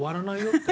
って。